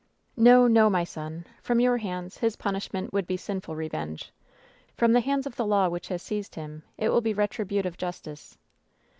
"N"o, no, my son. From your hands his punishment would be sinful revenge. From the hands of the law which has seized him it will be retributive justice.